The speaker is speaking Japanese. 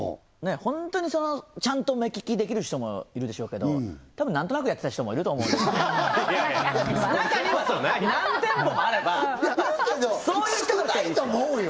ホントにちゃんと目利きできる人もいるでしょうけどたぶん何となくやってた人もいると思うんでいやいやそんなことない中には何店舗もあればいやいるけど少ないと思うよ